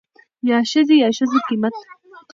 يا ښځې يا دښځو قيمت.